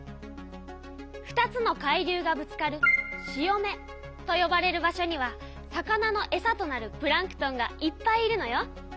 ２つの海流がぶつかる潮目とよばれる場所には魚のえさとなるプランクトンがいっぱいいるのよ。